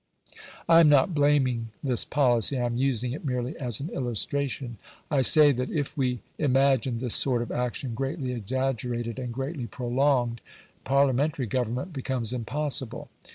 I am not blaming this policy. I am using it merely as an illustration. I say that if we imagine this sort of action greatly exaggerated and greatly prolonged Parliamentary government becomes impossible.